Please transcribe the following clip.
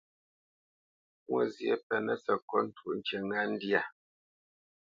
Mwôzyě pɛnǝ́ sǝkôt twóʼ ŋkǐ ŋá ndyâ.